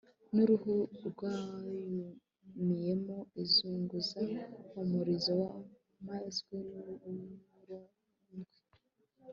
n'uruhu rwayumiyemo izunguza umurizo wamazwe n'uburondwe